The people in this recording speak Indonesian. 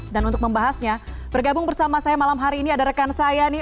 dan untuk membahasnya bergabung bersama saya malam hari ini ada rekan saya nih